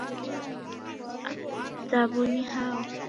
Aw'o mzaw'o ni hao?